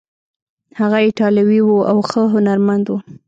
هغه ایټالوی و او ښه هنرمند و.